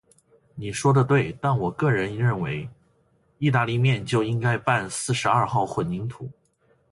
你说得对，但我个人认为，意大利面就应该拌四十二号混凝土。